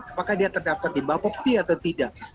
apakah dia terdaftar di bapak pti atau tidak